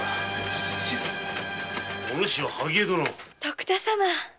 徳田様。